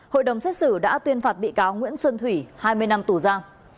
hội đồng xét xử đã tuyên phạt bị cáo nguyễn xuân thủy hai mươi năm tù giam